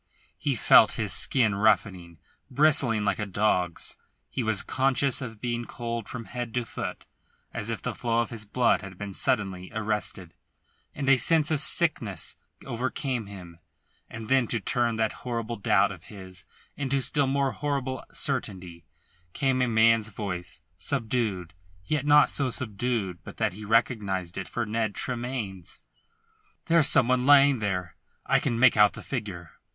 He felt his skin roughening, bristling like a dog's; he was conscious of being cold from head to foot, as if the flow of his blood had been suddenly arrested; and a sense of sickness overcame him. And then to turn that horrible doubt of his into still more horrible certainty came a man's voice, subdued, yet not so subdued but that he recognised it for Ned Tremayne's. "There's some one lying there. I can make out the figure."